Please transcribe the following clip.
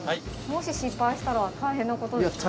もし失敗したら大変なことですよ。